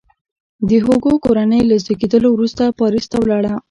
د هوګو کورنۍ له زیږېدلو وروسته پاریس ته ولاړه.